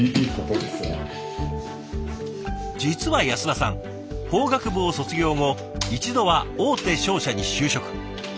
実は安田さん法学部を卒業後一度は大手商社に就職。